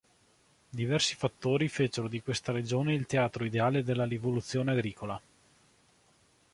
Diversi fattori fecero di questa regione il teatro ideale della rivoluzione agricola.